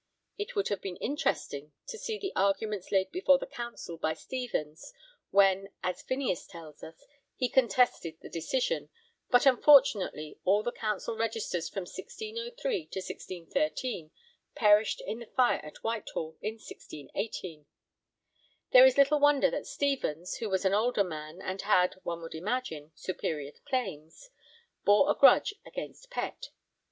It would have been interesting to see the arguments laid before the Council by Stevens when, as Phineas tells us, he contested the decision, but unfortunately all the Council Registers from 1603 to 1613 perished in the fire at Whitehall in 1618. There is little wonder that Stevens (who was an older man and had, one would imagine, superior claims) bore a grudge against Pett.